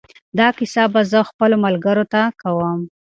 دا کیسه به زه خپلو ملګرو ته کوم.